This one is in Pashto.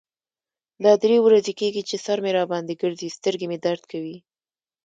دا درې ورځې کیږی چې سر مې را باندې ګرځی. سترګې مې درد کوی.